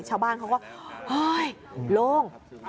ชาวบ้านเขาก็โอ๊ยลง